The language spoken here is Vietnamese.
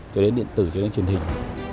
cho đến điện tử cho đến truyền hình